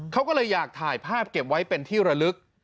เขาก็เลยอยากถ่ายภาพเก็บไว้เป็นที่ระลึก